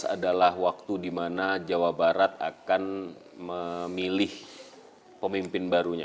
dua ribu adalah waktu di mana jawa barat akan memilih pemimpin barunya